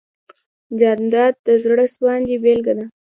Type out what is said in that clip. جانداد د زړه سواندۍ بېلګه ده.